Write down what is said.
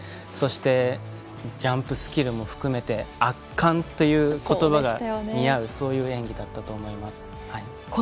そしてジャンプスキルも含めて圧巻という言葉が似合うそういう演技だったと思います。